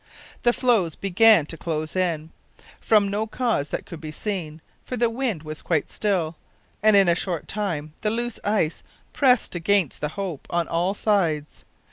The floes began to close in, from no cause that could be seen, for the wind was quite still, and in a short time the loose ice pressed against the Hope on all sides.